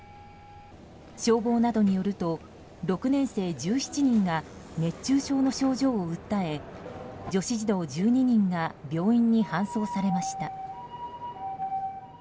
消防などによると６年生１７人が熱中症の症状を訴え女子児童１２人が病院に搬送されました。